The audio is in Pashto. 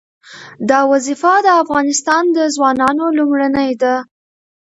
دا وظیفه د افغانستان د ځوانانو لومړنۍ ده.